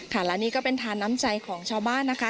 และนี่ก็เป็นทานน้ำใจของชาวบ้านนะคะ